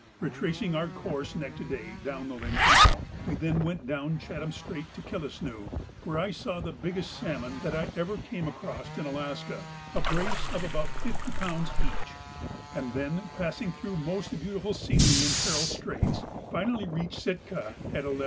Retracing our course next day down the Lynn Canal, we then went down Chatham Strait to Killisnoo, where I saw the biggest salmon that I ever came across in Alaska, a brace of about fifty pounds each, and then, passing through most beautiful scenery in Peril Straits, finally reached Sitka at 11 P.